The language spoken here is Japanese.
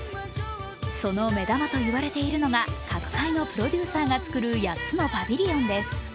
その目玉といわれているのが各界のプロデューサーが作る８つのパビリオンです。